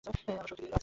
আলোর শক্তি আছে।